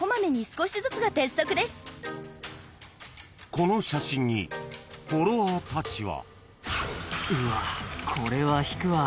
［この写真にフォロワーたちは］